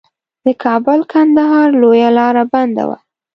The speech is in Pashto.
د کابل کندهار لویه لار بنده وه.